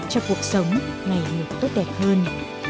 cho cuộc sống ngày được tốt đẹp hơn